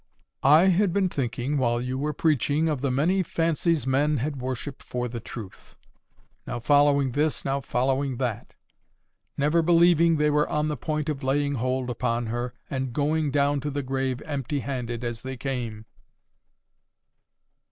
"I had been thinking, while you were preaching, of the many fancies men had worshipped for the truth; now following this, now following that; ever believing they were on the point of laying hold upon her, and going down to the grave empty handed as they came."